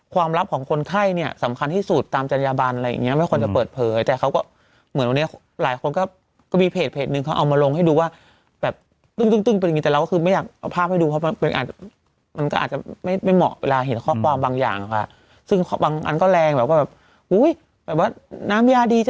ลับของคนไข้เนี่ยสำคัญที่สุดตามจัญญาบันอะไรอย่างเงี้ไม่ควรจะเปิดเผยแต่เขาก็เหมือนวันนี้หลายคนก็ก็มีเพจนึงเขาเอามาลงให้ดูว่าแบบตึ้งตึ้งเป็นอย่างงีแต่เราก็คือไม่อยากเอาภาพให้ดูเพราะมันอาจจะมันก็อาจจะไม่ไม่เหมาะเวลาเห็นข้อความบางอย่างค่ะซึ่งบางอันก็แรงแบบว่าแบบอุ้ยแบบว่าน้ำยาดีจ้